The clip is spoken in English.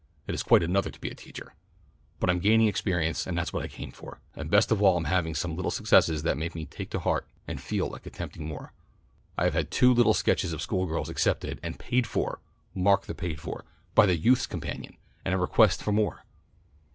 It is quite another to be a teacher. But I'm gaining experience and that's what I came for, and best of all I'm having some little successes that make me take heart and feel like attempting more. I have had two little sketches of school girl life accepted and paid for (mark the paid for) by the Youth's Companion, and a request for more.